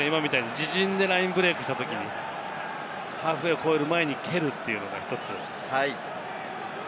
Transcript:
自陣でラインブレイクしたとき、ハーフウエーを越える前に蹴るというのが１つ。